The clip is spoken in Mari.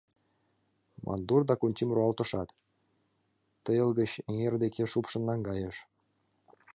Мандур Дакунтим руалтышат, тайыл гыч эҥер деке шупшын наҥгайыш.